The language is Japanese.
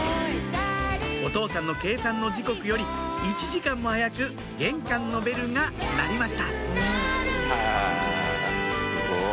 お父さんの計算の時刻より１時間も早く玄関のベルが鳴りましたおっ！